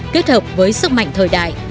kết hợp với sức mạnh thời đại